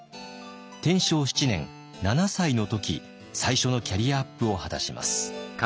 天正７年７歳の時最初のキャリアアップを果たします。